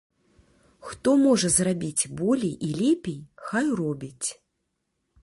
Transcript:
Хто можа зрабіць болей і лепей, хай робіць.